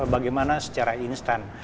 bagaimana secara instan